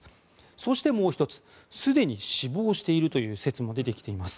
そして、もう１つすでに死亡しているという説も出てきています。